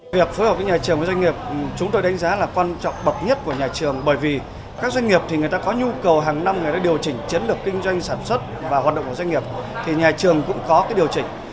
việc phối hợp với nhà trường với doanh nghiệp chúng tôi đánh giá là quan trọng bậc nhất của nhà trường bởi vì các doanh nghiệp thì người ta có nhu cầu hàng năm người ta điều chỉnh chiến lược kinh doanh sản xuất và hoạt động của doanh nghiệp thì nhà trường cũng có điều chỉnh